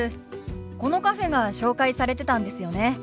このカフェが紹介されてたんですよね？